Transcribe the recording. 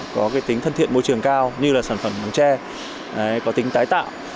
có tính thân thiện môi trường cao như là sản phẩm bằng tre có tính tái tạo